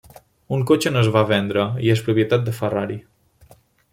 Un cotxe no es va vendre i és propietat de Ferrari.